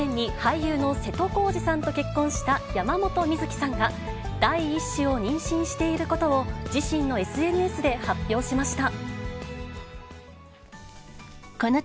２０２０年に俳優の瀬戸康史さんと結婚した山本美月さんが、第１子を妊娠していることを自身のＳＮＳで発表しました。